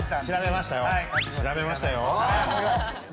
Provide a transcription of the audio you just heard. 調べましたよ。